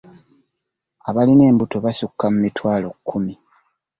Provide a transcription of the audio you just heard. Abalina embuto basukka mu mitwalo kkumi.